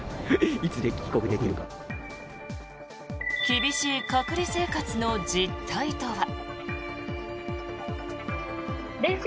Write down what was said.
厳しい隔離生活の実態とは。